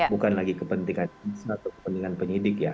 bukan lagi kepentingan atau kepentingan penyidik ya